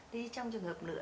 thì trong trường hợp nữa